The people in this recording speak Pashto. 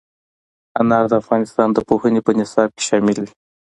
انار د افغانستان د پوهنې په نصاب کې شامل دي.